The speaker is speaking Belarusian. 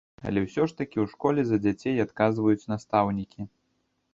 Але ўсё ж такі ў школе за дзяцей адказваюць настаўнікі.